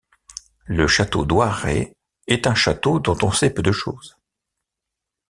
Le château d'Oyré est un château dont on sait peu de choses.